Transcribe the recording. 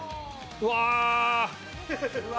うわ。